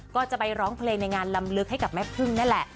ก็จะไปร้องเพลงในงานลำลึกให้กับแม่พึ่งนั่นแหละ